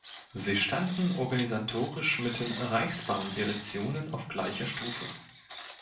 Sie standen organisatorisch mit den Reichsbahndirektionen auf gleicher Stufe.